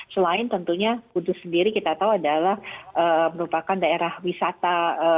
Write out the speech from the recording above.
selain tentunya kudus sendiri kita tahu adalah merupakan daerah wisata